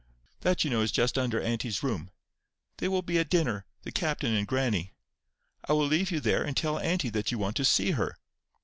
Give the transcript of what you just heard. That you know is just under auntie's room. They will be at dinner—the captain and grannie. I will leave you there, and tell auntie that you want to see her."